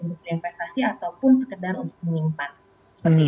seperti investasi ataupun sekedar untuk menyimpan